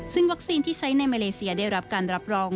ซึ่งวัคซีนที่ใช้ในมาเลเซียได้รับการรับรอง